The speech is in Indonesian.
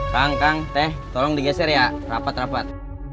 kang kang teh tolong digeser ya rapat rapat